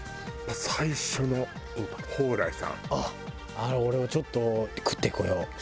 あれ俺はちょっと食ってこよう。